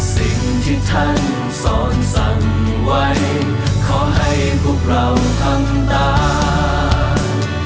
สิ่งที่ท่านสอนสั่งไว้ขอให้พวกเราทำได้